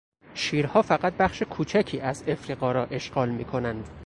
شیرها فقط بخش کوچکی از افریقا را اشغال میکنند.